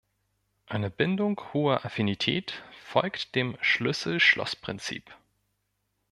Eine Bindung hoher Affinität folgt dem Schlüssel-Schloss-Prinzip.